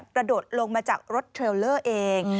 กระโดดลงมาจากรถเทรลเลอร์เอง